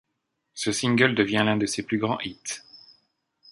Ce single devient l'un de ses plus grands hits.